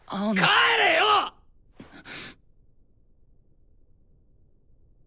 帰れよっ！